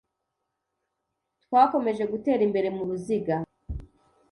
Twakomeje gutera imbere mu ruziga